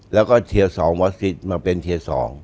แล้วก็ที๒วอสติธร์มาเป็นที๒